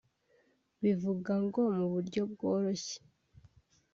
Bivuga ngo mu buryo bworoshye